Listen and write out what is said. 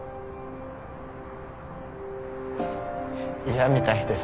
嫌みたいです。